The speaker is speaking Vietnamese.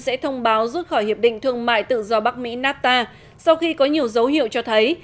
sẽ thông báo rút khỏi hiệp định thương mại tự do bắc mỹ nafta sau khi có nhiều dấu hiệu cho thấy